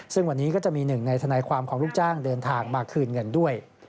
ซึ่งวันนี้ก็จะมีหนึ่งในทนายความของลูกจ้างเดินทางมาคืนเงินด้วย